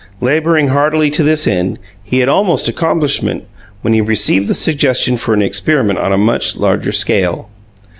Labouring heartily to this end, he had almost accomplished it, when he received the suggestion for an experiment on a much larger scale.